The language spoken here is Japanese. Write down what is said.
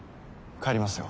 帰りますよ。